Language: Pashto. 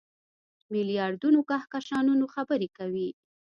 میلیاردونو کهکشانونو خبرې کوي.